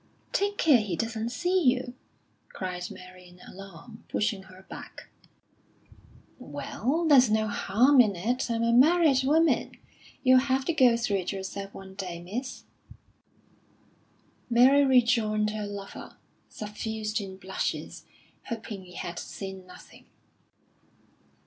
"Take care he doesn't see you!" cried Mary in alarm, pushing her back. "Well, there's no harm in it. I'm a married woman. You'll have to go through it yourself one day, miss." Mary rejoined her lover, suffused in blushes, hoping he had seen nothing.